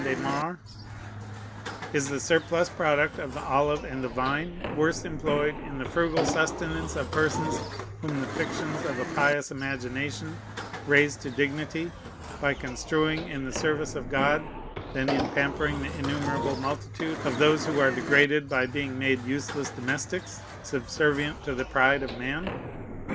Is the surplus product of the olive and the vine worse employed in the frugal sustenance of persons whom the fictions of a pious imagination raise to dignity by construing in the service of God than in pampering the innumerable multitude of those who are degraded by being made useless domestics, subservient to the pride of man?